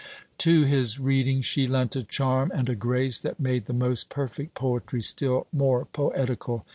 To his reading she lent a charm and a grace that made the most perfect poetry still more poetical.